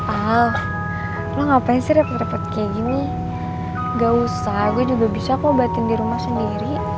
ah lo ngapain sih repot repot kayak gini gak usah gue juga bisa kok batin di rumah sendiri